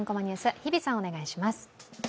日比さん、お願いします。